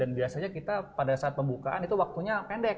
dan biasanya kita pada saat pembukaan itu waktunya pendek